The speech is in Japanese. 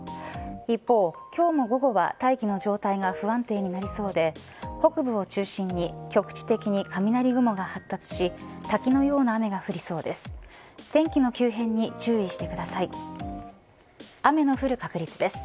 一方、今日も午後は大気の状態が不安定になりそうで北部を中心に局地的に雷雲が発達し滝のような雨が降りそうです。